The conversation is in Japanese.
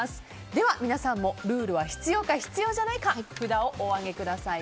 では皆さんもルールは必要か必要じゃないか札をお上げください。